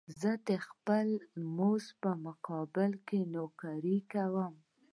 زه د خپل مزد په مقابل کې نوکري کوم